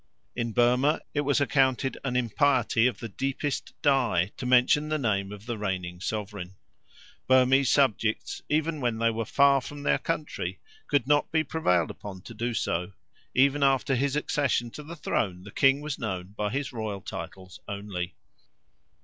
In Burma it was accounted an impiety of the deepest dye to mention the name of the reigning sovereign; Burmese subjects, even when they were far from their country, could not be prevailed upon to do so; after his accession to the throne the king was known by his royal titles only.